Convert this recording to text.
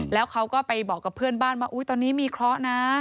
แล้วเขาก็ไปบอกกับเพื่อนบ้านว่าตอนนี้มีเคราะห์นะ